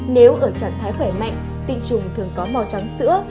nếu ở trạng thái khỏe mạnh tinh trùng thường có màu trắng sữa